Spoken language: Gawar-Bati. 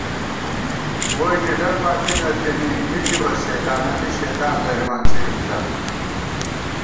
ووئی کی ڈل باتی نہ تھنی مِتِبہ سےلعنتی شیطان درِمان څِرمِزان